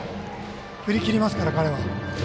振り切りますから、彼は。